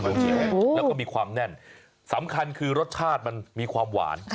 มันเขียวแล้วก็มีความแน่นสำคัญคือรสชาติมันมีความหวาน